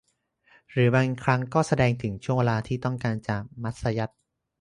หรือบางครั้งก็แสดงถึงช่วงเวลาที่ต้องการจะมัธยัสถ์